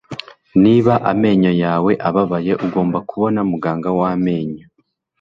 Niba amenyo yawe ababaye, ugomba kubona muganga w amenyo.